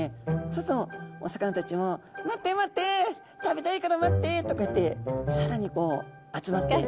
そうするとお魚たちも「待って待って食べたいから待って」ってこうやってさらに集まって。